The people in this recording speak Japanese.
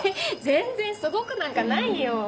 全然すごくなんかないよ。